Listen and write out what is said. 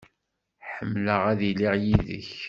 Ḥemmleɣ ad iliɣ yid-k.